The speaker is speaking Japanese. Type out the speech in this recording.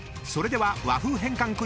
それでは和風変換